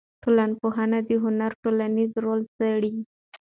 ټولنپوهنه د هنر ټولنیز رول څېړي.